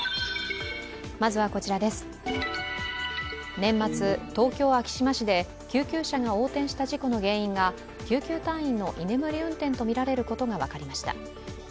年末、東京・昭島市で救急車が横転した事故の原因が救急隊員の居眠り運転とみられることが分かりました。